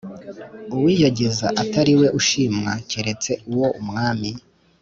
uwiyogeza atari we ushimwa keretse uwo Umwami